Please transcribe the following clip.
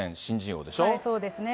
そうですね。